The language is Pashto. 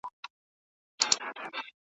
تور او سور زرغون بیرغ به بیا پر دې سیمه رپیږي `